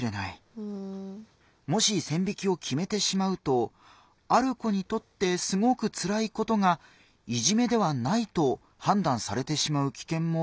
もし線引きを決めてしまうとある子にとってすごくつらいことがいじめではないと判断されてしまう危険もありますからね。